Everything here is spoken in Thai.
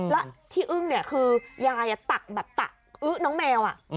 แล้วที่อึ้งคือยายตักแบบตั๊ะเอ๊ะน้องแมว